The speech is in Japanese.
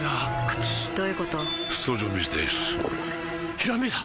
ひらめいた！